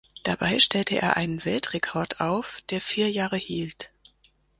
Dabei stellte er einen Weltrekord auf, der vier Jahre hielt.